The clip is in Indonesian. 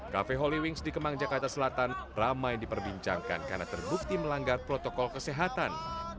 cafe holy wings di kemang jakarta selatan ramai diperbincangkan karena terbukti melanggar protokol kesehatan